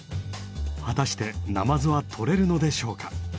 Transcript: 果たしてナマズはとれるのでしょうか？